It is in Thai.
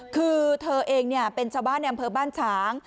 คือเธอเองเป็นชาวบ้านในอำเภอบ้านฉาง